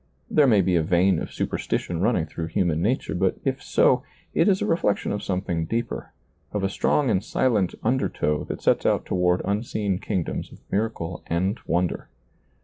There may be a vein of superstition running through human nature, but if so, it is a reflection of something deeper, of a strong artd silent undertow that sets out toward unseen kingdoms of miracle and wonder.